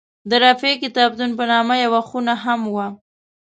د رفیع کتابتون په نامه یوه خونه هم وه.